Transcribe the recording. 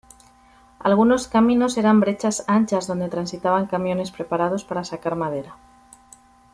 Algunos caminos eran brechas anchas donde transitaban camiones preparados para sacar madera.